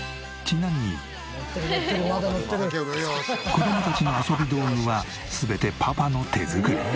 子供たちの遊び道具は全てパパの手作り。